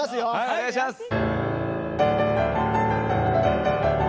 はいお願いします！